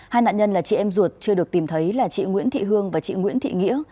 hai nạn nhân là chị em ruột chưa được tìm thấy là chị nguyễn thị hương và chị nguyễn thị nghĩa